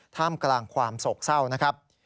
ท่ามกลางความโศกเศร้านะครับ